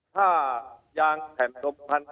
ถ้ายางแผ่นสมพันธ์